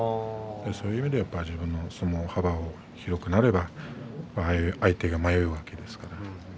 そういう意味で自分の相撲の幅を広くすれば相手は迷うわけですからね。